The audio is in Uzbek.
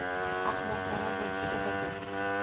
Ahmoqona bo‘lsa-da, bajar.